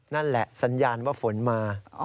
นั่นแหละสัญญาณว่าฝนมา